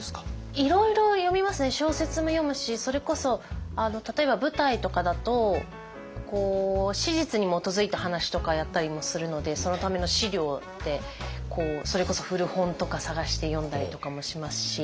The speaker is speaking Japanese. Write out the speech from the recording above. いろいろ読みますね小説も読むしそれこそ例えば舞台とかだと史実に基づいた話とかやったりもするのでそのための資料ってそれこそ古本とか探して読んだりとかもしますし。